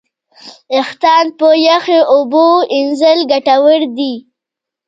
وېښتيان په یخو اوبو وینځل ګټور دي.